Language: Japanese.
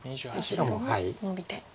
白もノビて。